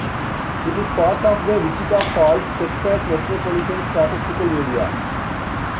It is part of the Wichita Falls, Texas Metropolitan Statistical Area.